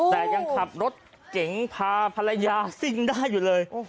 แต่ยังขับรถเก๋งพาภรรยาซิ่งได้อยู่เลย